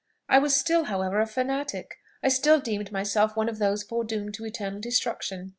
I was still, however, a fanatic; I still deemed myself one of those foredoomed to eternal destruction.